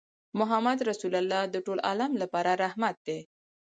محمدُ رَّسول الله د ټول عالم لپاره رحمت دی